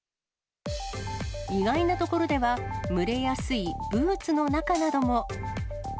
意外なところでは、蒸れやすいブーツの中なども。